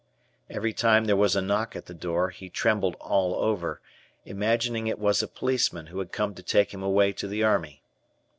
Everytime there was a knock at the door, he trembled all over, imagining it was a policeman who had come to take him away to the army.